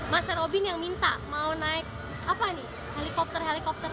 masa robin yang minta mau naik helikopter helikopteran